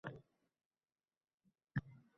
Kelajak avlod ham o‘sha – kelajagida yaxshi yashaydi.